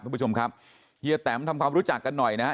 คุณผู้ชมครับเฮียแตมทำความรู้จักกันหน่อยนะฮะ